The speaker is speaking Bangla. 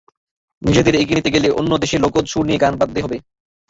নিজেদের এগিয়ে নিতে গেলে অন্য দেশের লোকজ সুর নিয়ে গান বাঁধতে হবে।